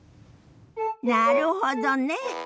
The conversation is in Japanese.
なるほどね。